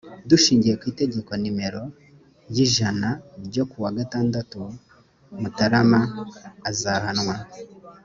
dushingiye ku itegeko nimero yijana ryo ku wa gatandatu mutarama azahanwa.